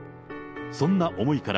そんな思いから、